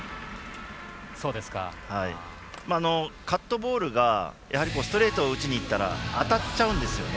カットボールがストレートを打ちにいったら当たっちゃうんですよね